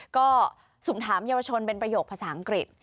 ก็สุ่มถามเยาวชนเป็นประโยคภาษาอังกฤษ